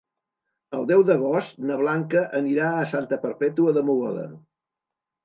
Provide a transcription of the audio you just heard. El deu d'agost na Blanca anirà a Santa Perpètua de Mogoda.